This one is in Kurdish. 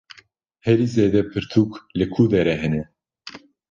Herî zêde pirtûk li ku derê hene?